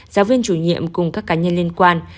giáo viên chủ nhiệm cùng các cá nhân liên quan